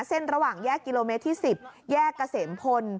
เส้นระหว่างแยกกิโลเมตรที่๑๐แยกเกษมพล